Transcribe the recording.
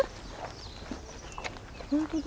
本当だ。